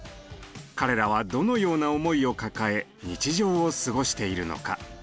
彼らはどのような思いを抱え日常を過ごしているのか。